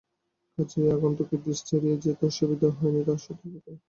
কাজেই আগন্তুকের দৃষ্টি এড়িয়ে যেতে অসুবিধা হয়নি তাঁর পক্ষে।